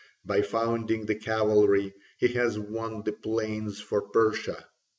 By founding the cavalry he has won the plains for Persia.